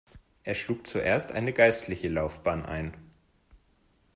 Er schlug zuerst eine geistliche Laufbahn ein.